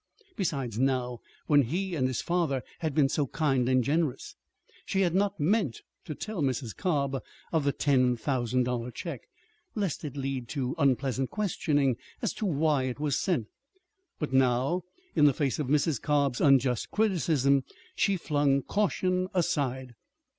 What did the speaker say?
Besides, now, when he and his father had been so kind and generous ! She had not meant to tell Mrs. Cobb of the ten thousand dollar check, lest it lead to unpleasant questioning as to why it was sent. But now, in the face of Mrs. Cobb's unjust criticism, she flung caution aside.